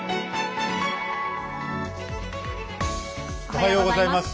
おはようございます。